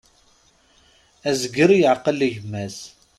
Azger yeƐqel gma-s.